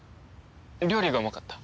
料理がうまかった。